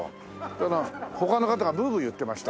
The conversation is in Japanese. だから他の方がブーブー言ってました。